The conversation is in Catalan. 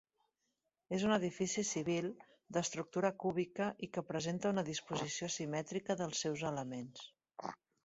És un edifici civil d'estructura cúbica i que presenta una disposició simètrica dels seus elements.